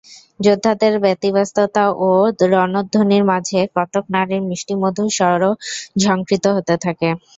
যোদ্ধাদের ব্যতিব্যস্ততা ও রণধ্বনির মাঝে কতক নারীর মিষ্টি-মধুর স্বরও ঝংকৃত হতে থাকে।